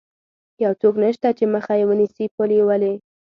یو څوک نشته چې مخه یې ونیسي، پل یې ولې.